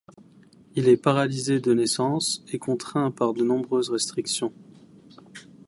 Il est paralysé de naissance et contraint par de nombreuses restrictions.